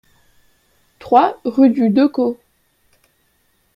trois rue du Decau